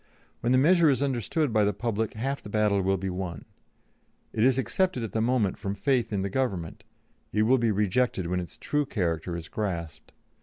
When the measure is understood by the public half the battle will be won; it is accepted at the moment from faith in the Government; it will be rejected when its true character is grasped.